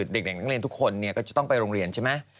เด็กนักเรียนทุกคนก็จะต้องไปโรงเรียนใช่ไหม